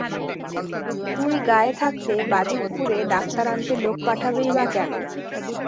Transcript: তুই গাঁয়ে থাকতে বাজিতপুরে ডাক্তার আনতে লোক পাঠাবেই বা কেন?